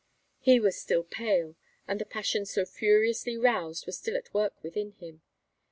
He was still pale, and the passions so furiously roused were still at work within him.